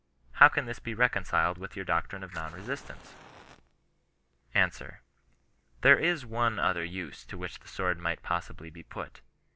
How can this be reconciled with your doctrine of non resistance ? Answer. — There is one other use, to which the sword might possibly be put.